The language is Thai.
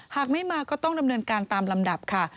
หากไม่มาก็ต้องดำเนินการตามลำดับค่ะ